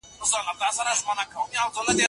زه پرون د موسیقۍ زده کړه کوم وم.